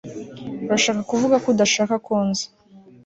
Urashaka kuvuga ko udashaka ko nza